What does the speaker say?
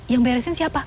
yang beresin siapa